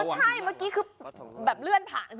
ใช่เมื่อกี้คือแบบเลื่อนผ่าน